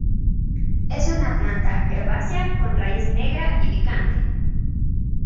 Es una planta herbácea con raíz negra y picante.